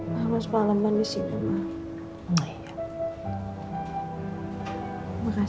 mama semalam manis sih mama